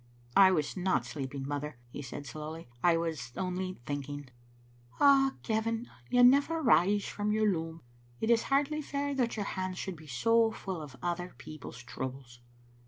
"I was not sleeping, mother," he said, slowly. "I was only thinking. " Digitized by VjOOQ IC Aat0iiret lar "Ah, Gavin, you never rise from your loom. It is hardly fair that your hands should be so full of other people's troubles."